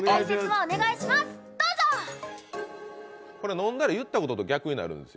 飲んだら言ったことと逆になるんです。